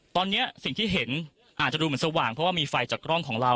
ตอนนี้สิ่งที่เห็นอาจจะดูเหมือนสว่างเพราะว่ามีไฟจากกล้องของเรา